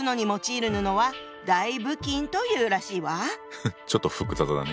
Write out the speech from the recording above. フッちょっと複雑だね。